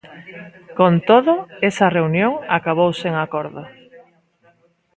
Con todo, esa reunión acabou sen acordo.